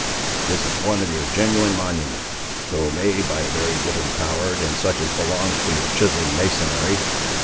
This is one of your genuine monuments, though made by a very different power than such as belongs to your chiseling masonry!